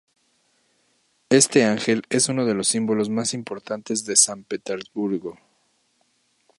Este ángel es uno de los símbolos más importantes de San Petersburgo.